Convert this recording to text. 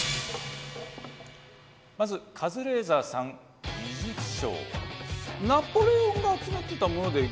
まずカズレーザーさん美術商。